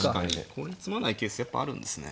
これで詰まないケースやっぱあるんですね